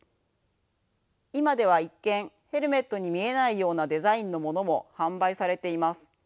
今では一見ヘルメットに見えないようなデザインのものも販売されています。